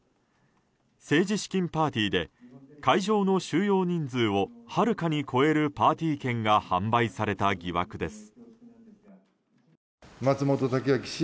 政治資金パーティーで会場の収容人数をはるかに超えるパーティー券が販売された疑惑です。